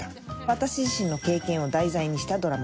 私自身の経験を題材にしたドラマ。